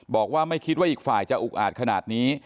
บอกว่าไม่คิดว่าอีกฝ่ายจะอุกอาจขนาดนี้